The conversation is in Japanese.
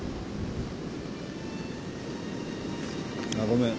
あっごめん。